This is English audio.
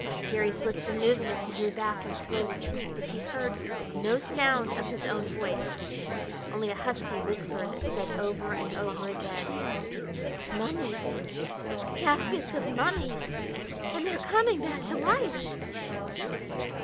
Garry's lips were moving as he drew back in slow retreat, but he heard no sound of his own voice, only a husky whisper that said over and over again: "Mummies! Caskets of mummies! And they're coming back to life!"